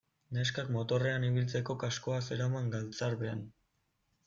Neskak motorrean ibiltzeko kaskoa zeraman galtzarbean.